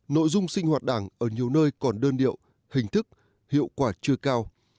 nội dung sinh hoạt đảng ở nhiều nơi còn đơn điệu hình thức hiệu quả chưa cao